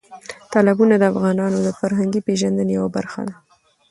تالابونه د افغانانو د فرهنګي پیژندنې یوه برخه ده.